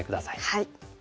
はい。